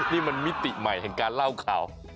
นี่มันมิติใหม่แห่งการเล่าข่าว